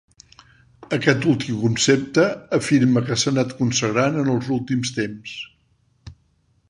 Aquest últim concepte afirma que s'ha anat consagrant en els últims temps.